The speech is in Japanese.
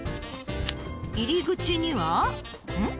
入り口にはうん？